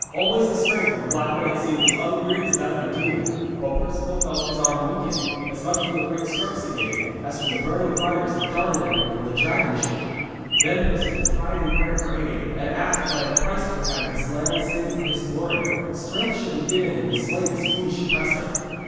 Always the strength of the Black Knight seemed as unwearied as that of a demon, while Perceval felt his arm weaken, as much from the great strokes he gave, as from the burning fires that darted at him from the dragon shield. Then Perceval cried in prayer for aid, and asked that if Christ would have this land saved for His glory, strength should be given him to slay this fiendish oppressor.